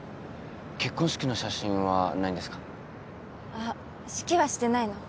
あっ式はしてないの。